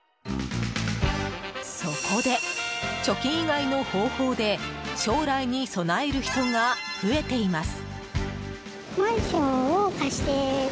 そこで、貯金以外の方法で将来に備える人が増えています。